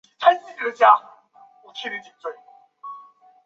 猫爪扁蚜为扁蚜科刺额扁蚜属下的一个种。